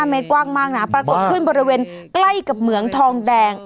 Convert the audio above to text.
เมตรกว้างมากนะปรากฏขึ้นบริเวณใกล้กับเหมืองทองแดง